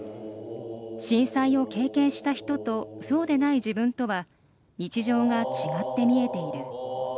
震災を経験した人とそうでない自分とは日常が違って見えている。